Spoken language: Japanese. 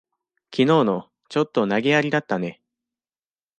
きのうの、ちょっと投げやりだったね。